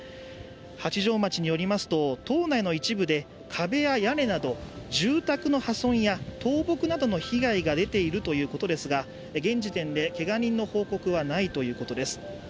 八丈町によりますと島内の一部で壁や屋根など住宅の破損や倒木などの被害が出ているということですが、現時点でけが人の報告はないということです。